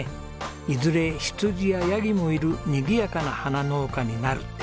「いずれ羊やヤギもいるにぎやかな花農家になる」って。